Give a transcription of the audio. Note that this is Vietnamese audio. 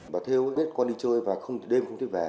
bà theo biết con đi chơi và đêm không thể về